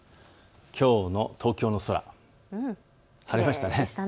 きょうの東京の空、きれいでしたね。